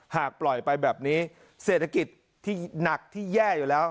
หากปล่อยไปแบบนี้เศรษฐกิจที่หนักที่แย่อยู่แล้ว